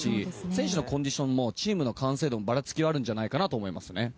選手のコンディションもチームの完成度もばらつきがあるんじゃないかなと思います。